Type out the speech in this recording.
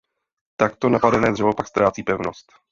Takto napadené dřevo pak ztrácí pevnost.